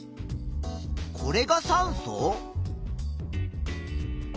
これが酸素？